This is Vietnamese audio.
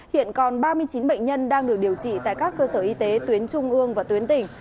hiện còn ba mươi chín bệnh nhân đang được điều trị tại các cơ sở y tế tuyến trung ương và tuyến tỉnh